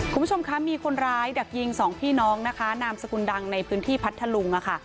คุณผู้ชมคะมีคนร้ายดักยิงสองพี่น้องนะคะนามสกุลดังในพื้นที่พัทธลุงค่ะ